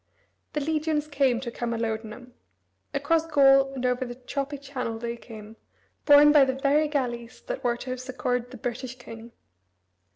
The legions came to Camalodunum. Across Gaul and over the choppy channel they came, borne by the very galleys that were to have succored the British king.